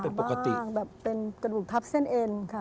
เป็นปกติแบบเป็นกระดูกทับเส้นเอ็นค่ะ